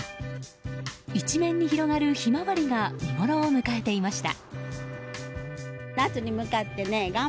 一面に広がるヒマワリが見ごろを迎えていました。